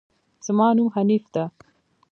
زما نوم حنيف ده